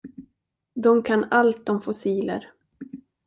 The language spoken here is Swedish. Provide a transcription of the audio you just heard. De kan allt om fossiler.